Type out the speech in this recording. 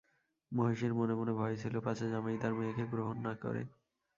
মহিষীর মনে মনে ভয় ছিল, পাছে জামাই তাঁর মেয়েকে গ্রহণ না করে।